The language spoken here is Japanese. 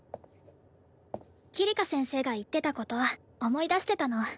桐香先生が言ってたこと思い出してたの。